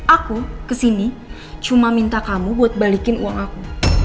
aku kesini cuma minta kamu buat balikin uang aku